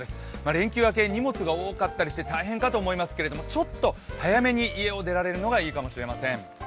連休明け、荷物が多かったりして大変だと思いますけれどもちょっと早めに家を出られるのがいいかもしれません。